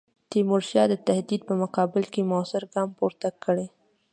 تیمورشاه د تهدید په مقابل کې موثر ګام پورته کړ.